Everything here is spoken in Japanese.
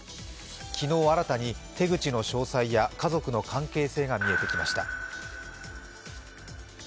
昨日新たに手口の詳細や家族の関係性が見えてきました。